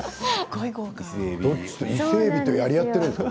伊勢えびとやり合ってるんですか？